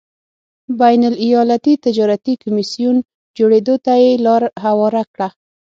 بین الایالتي تجارتي کمېسیون جوړېدو ته یې لار هواره کړه.